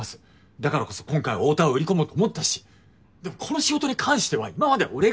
だからこそ今回は太田を売り込もうと思ったしでもこの仕事に関しては今までは俺が。